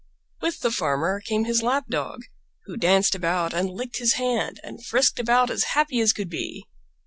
With the Farmer came his Lap dog, who danced about and licked his hand and frisked about as happy as could be.